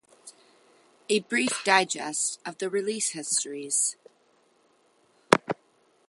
A brief digest of the release histories.